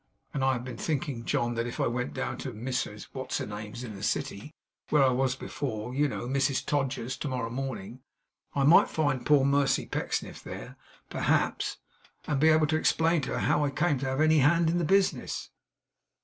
And I have been thinking, John, that if I went down to Mrs What's her name's in the City, where I was before, you know Mrs Todgers's to morrow morning, I might find poor Mercy Pecksniff there, perhaps, and be able to explain to her how I came to have any hand in the business.